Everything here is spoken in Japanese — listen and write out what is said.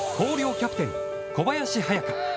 キャプテン小林隼翔。